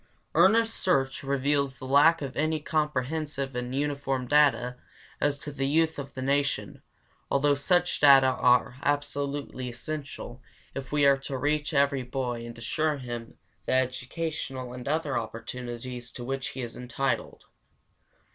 Earnest search reveals the lack of any comprehensive and uniform data as to the youth of the Nation, although such data are absolutely essential if we are to reach every boy and assure him the educational and other opportunities to which he is entitled.